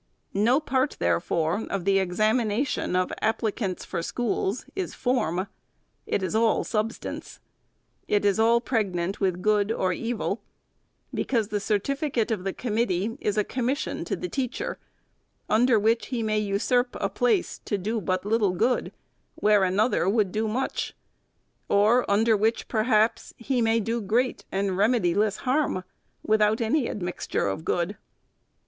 No part, there fore, of the examination of applicants for schools is form. It is all substance. It is all pregnant with good or evil ; because the certificate of the committee is a commission to the teacher, under which he may usurp a place to do but little good, where another would do much ; or under which, perhaps, he may do great and remediless harm, without any admixture of good.